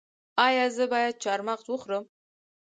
ایا زه باید چهارمغز وخورم؟